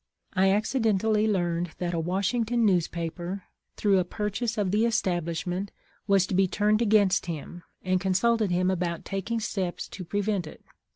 I accidentally learned that a Washington newspaper, through a purchase of the establishment, was to be turned against him, and consulted him about taking steps to prevent it.